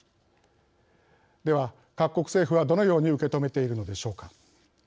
では、各国政府はどのように受け止めているのでしょうか。